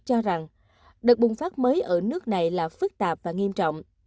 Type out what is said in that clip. cho rằng đợt bùng phát mới ở nước này là phức tạp và nghiêm trọng